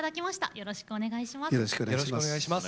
よろしくお願いします。